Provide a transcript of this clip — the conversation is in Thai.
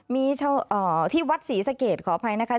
มีเช่าที่วัดสีเดร์เขาขออภัยนะแคะ